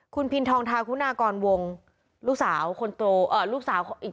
คุณพินทองทางกุนาคอร์นวงลูกสาวคนตัวลูกสาวดี